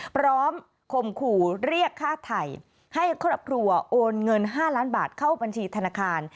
คมขู่เรียกค่าไทยให้ครอบครัวโอนเงิน๕ล้านบาทเข้าบัญชีธนาคาร